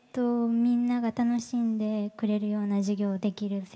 みんなが楽しんでくれるような授業ができる